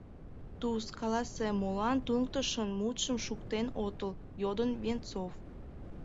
— Туз, каласе, молан туныктышын мутшым шуктен отыл? — йодын Венцов.